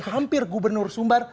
hampir gubernur sumbar